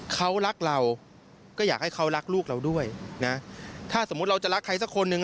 เขารักเราก็อยากให้เขารักลูกเราด้วยนะถ้าสมมุติเราจะรักใครสักคนหนึ่ง